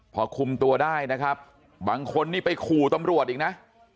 พอคุมตัวได้นะครับบางคนนี่ไปขู่ตำรวจอีกนะ